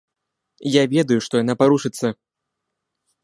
Я ведаю, што яна парушыцца.